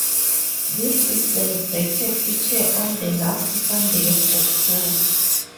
This is celebrated each year on the last Sunday of October.